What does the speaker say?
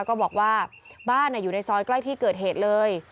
ก็บอกว่าบ้านอยู่ในซอยใกล้ที่เกิดเหตุเลย